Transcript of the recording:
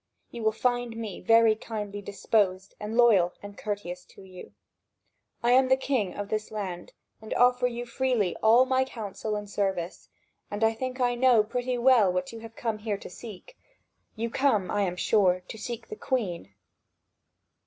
You will find me very kindly disposed, and loyal and courteous toward you. I am the king of this land, and offer you freely all my counsel and service; and I think I know pretty well what you have come here to seek. You come, I am sure, to seek the Queen."